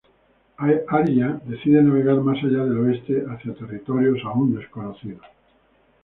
Arya decide navegar más allá del Oeste hacia territorios aún desconocidos.